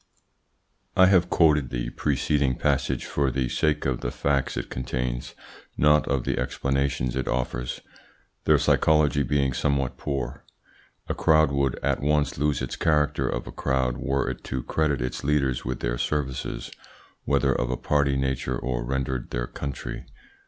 I have quoted the preceding passage for the sake of the facts it contains, not of the explanations it offers, their psychology being somewhat poor. A crowd would at once lose its character of a crowd were it to credit its leaders with their services, whether of a party nature or rendered their country.